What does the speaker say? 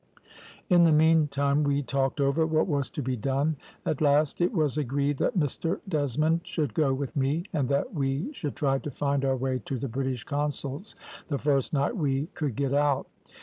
"In the meantime we talked over what was to be done; at last it was agreed that Mr Desmond should go with me, and that we should try to find our way to the British Consul's the first night we could get out.